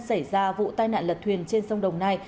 xảy ra vụ tai nạn lật thuyền trên sông đồng nai